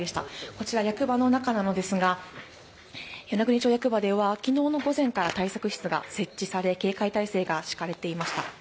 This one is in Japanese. こちら、役場の中なのですが与那国町役場では昨日の午前から対策室が設置され警戒態勢が敷かれていました。